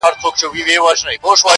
کرونا راغلې پر خلکو غم دی٫